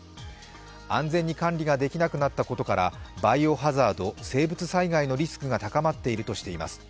安全に管理ができなくなったことからバイオ・ハザード＝生物災害のリスクが高まっているとしています。